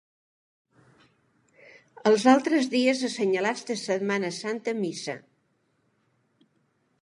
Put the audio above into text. Els altres dies assenyalats de Setmana Santa missa.